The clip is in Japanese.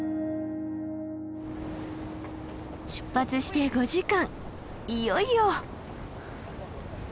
出発して５時間いよいよ！